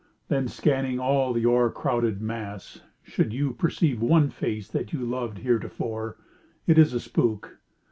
Then, scanning all the o'ercrowded mass, should you Perceive one face that you loved heretofore, It is a spook.